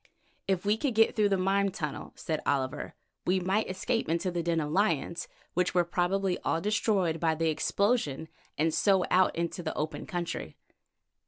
"If we could get through the mine tunnel," said Oliver, "we might escape into the den of lions, which were probably all destroyed by the explosion, and so out into the open country."